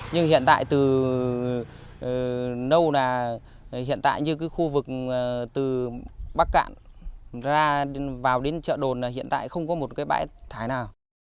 nhưng hiện tại từ nâu là hiện tại như cái khu vực từ bắc cạn ra vào đến chợ đồn là hiện tại không có một cái bãi thải nào